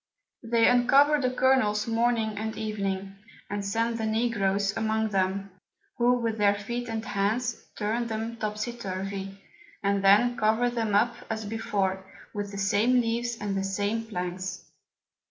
They uncover the Kernels Morning and Evening, and send the Negroes among them; who with their Feet and Hands, turn them topsy turvy, and then cover them up as before, with the same Leaves and the same Planks.